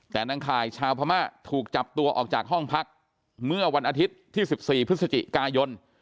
แต่นางข่ายชาวพม่าถูกจับตัวออกจากห้องพักเมื่อวันอาทิตย์ที่๑๔พฤศจิกายน